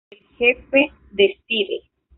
El Jefe Decide.